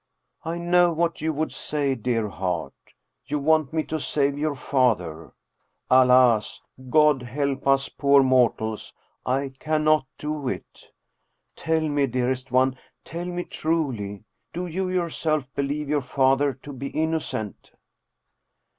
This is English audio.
" I know what you would say, dear heart. You want me to save your father. Alas, God help us poor mortals, I cannot do it ! Tell me, dearest one, tell me truly, do you yourself believe your father to be innocent